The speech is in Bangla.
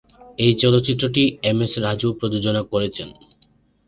এই চলচ্চিত্রটি এমএস রাজু প্রযোজনা করেছেন।